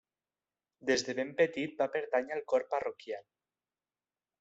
Des de ben petit va pertànyer al cor parroquial.